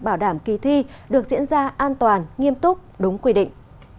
bảo đảm kỳ thi được diễn ra an toàn nghiêm túc đúng quy định